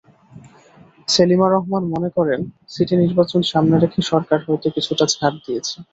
সেলিমা রহমান মনে করেন, সিটি নির্বাচন সামনে রেখে সরকার হয়তো কিছুটা ছাড় দিয়েছে।